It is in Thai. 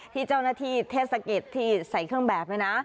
ที่เจ้าหน้าที่เทศกิจที่ใส่เครื่องแบบนี้นะ